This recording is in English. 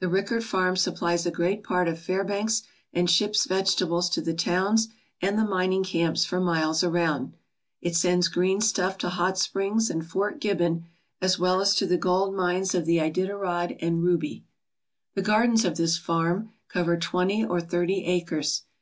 The Rickert farm supplies a great part of Fairbanks and ships vegetables to the towns and the mining camps for miles around. It sends green stuff to Hot Springs and Fort Gibbon as well as to the gold mines of the Iditarod and Ruby. The gardens of this farm cover twenty or thirty acres.